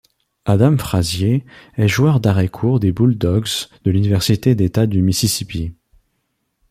Adam Frazier est joueur d'arrêt-court des Bulldogs de l'université d'État du Mississippi.